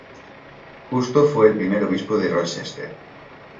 Justo fue el primer obispo de Rochester.